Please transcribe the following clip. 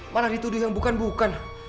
malah dituduh yang bukan bukan